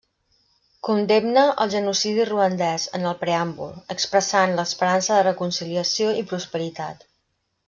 Condemna el genocidi ruandès en el preàmbul, expressant l'esperança de reconciliació i prosperitat.